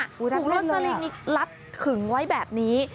ถูกลดสลิงนี่รัดถึงไว้แบบนี้